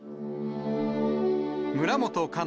村元哉中・